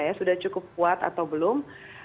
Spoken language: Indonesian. apakah dia sudah cukup kuat atau belum